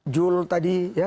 jul tadi ya